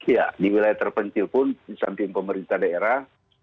ya di wilayah terpencil pun di samping pemerintah daerah